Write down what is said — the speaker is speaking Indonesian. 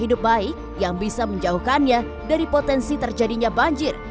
tentang perlunya cara hidup baik yang bisa menjauhkannya dari potensi terjadinya banjir